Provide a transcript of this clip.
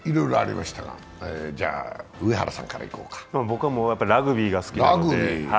僕はもうラグビーが好きなので。